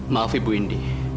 maaf ibu indi